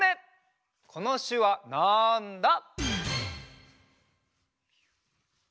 このしゅわなんだ？